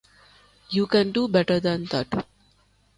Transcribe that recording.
You can do better than that.